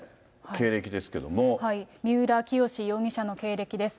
三浦清志容疑者の経歴です。